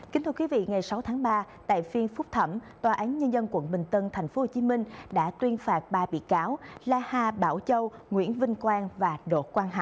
kính thưa quý vị ngày sáu tháng ba tại phiên phúc thẩm tòa án nhân dân quận bình tân tp hcm đã tuyên phạt ba bị cao